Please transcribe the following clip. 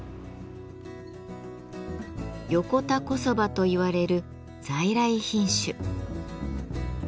「横田小そば」といわれる在来品種。